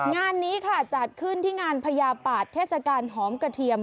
งานนี้ค่ะจัดขึ้นที่งานพญาปาดเทศกาลหอมกระเทียม